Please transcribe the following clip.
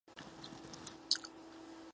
主要城镇包括华威和皇家利明顿温泉。